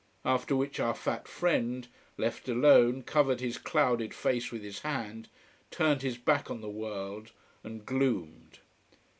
After which our fat friend, left alone, covered his clouded face with his hand, turned his back on the world, and gloomed.